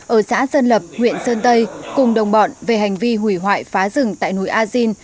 ở xã sơn lập huyện sơn tây cùng đồng bọn về hành vi hủy hoại phá rừng tại núi a din